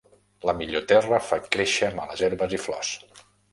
La millor terra fa créixer males herbes i flors.